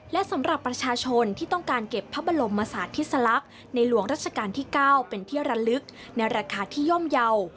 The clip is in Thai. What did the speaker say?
และสำหรับประชาชนที่ต้องการเก็บพระบรมศาสตร์ทิศลักษณ์ในหลวงรัชกาลที่๙เป็นที่ระลึกในราคาที่ย่อมเยาว์